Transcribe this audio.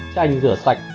chanh rửa sạch